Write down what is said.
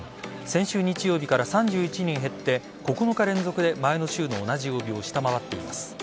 先週日曜日から３１人減って９日連続で前の週の同じ曜日を下回っています。